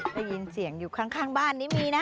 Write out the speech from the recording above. ได้ยินเสียงอยู่ข้างบ้านนี้มีนะ